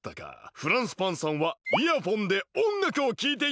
フランスパンさんはイヤホンでおんがくをきいていたんだ！